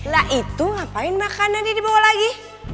lah itu ngapain makannya nih dibawa lagi